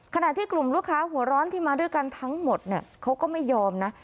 ขณะที่กลุ่มลูกค้าหัวร้อนที่มาด้วยกันทั้งหมดเขาก็ไม่ยอมนะ